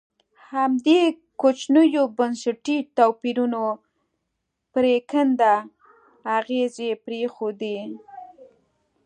همدې کوچنیو بنسټي توپیرونو پرېکنده اغېزې پرېښودې.